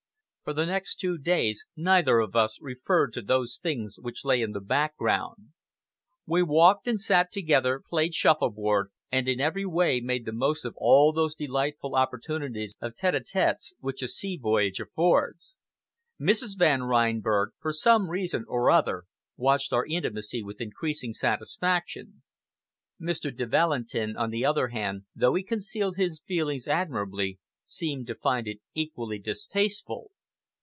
For the next two days neither of us referred to those things which lay in the background. We walked and sat together, played shuffleboard, and in every way made the most of all those delightful opportunities of tête à têtes which a sea voyage affords. Mrs. Van Reinberg, for some reason or other, watched our intimacy with increasing satisfaction. Mr. de Valentin, on the other hand, though he concealed his feelings admirably, seemed to find it equally distasteful.